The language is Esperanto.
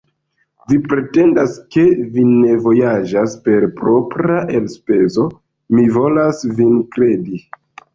Vi pretendas, ke vi ne vojaĝas per propra elspezo; mi volas vin kredi.